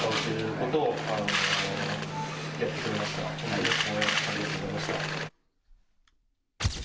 本当に応援、ありがとうございました。